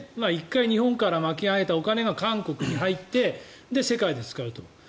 １回日本から巻き上げたお金が韓国に入って世界で使うと。